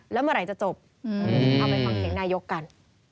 แล้วเมื่อไหร่จะจบเอาไปฟังเสียงนายกกัน